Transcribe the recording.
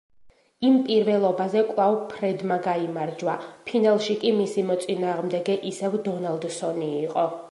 იმ პირველობაზე კვლავ ფრედმა გაიმარჯვა, ფინალში კი მისი მოწინააღმდეგე ისევ დონალდსონი იყო.